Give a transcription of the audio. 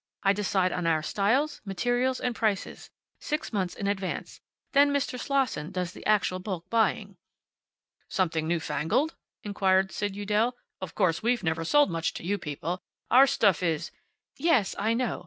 I decide on our styles, materials, and prices, six months in advance. Then Mr. Slosson does the actual bulk buying." "Something new fangled?" inquired Sid Udell. "Of course, we've never sold much to you people. Our stuff is " "Yes, I know.